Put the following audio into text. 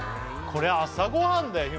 これ朝ごはんだよ